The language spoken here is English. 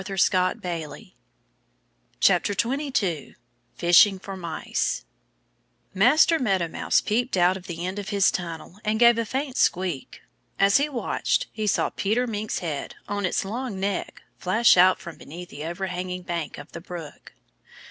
22 Fishing for Mice MASTER MEADOW MOUSE peeped out of the end of his tunnel and gave a faint squeak. As he watched, he saw Peter Mink's head, on its long neck, flash out from beneath the overhanging bank of the brook.